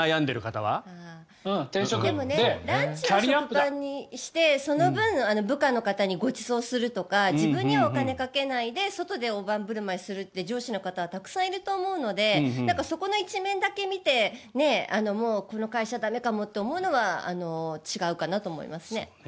ランチを食パンにしてその分、部下の方にごちそうするとか自分にお金をかけないで大盤振る舞いするという上司はたくさんいると思うのでそこの一面だけ見てもうこの会社駄目かもって思うのは違うかなと思いますね。